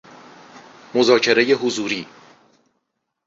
مذاکره حضوری